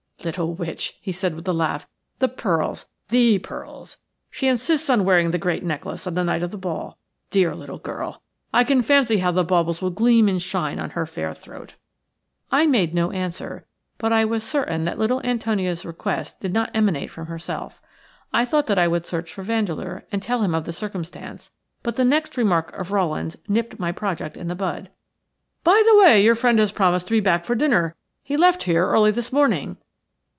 "Little witch," he said, with a laugh. "The pearls – the pearls. She insists on wearing the great necklace on the night of the ball. Dear little girl. I can fancy how the baubles will gleam and shine on her fair throat." I made no answer, but I was certain that little Antonia's request did not emanate from herself. I thought that I would search for Vandeleur and tell him of the circumstance, but the next remark of Rowland's nipped my project in the bud. "By the way, your friend has promised to be back for dinner. He left here early this morning."